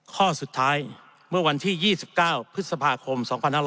ข้อสุดท้ายเมื่อวันที่๒๙พฤษภาคม๒๕๖๒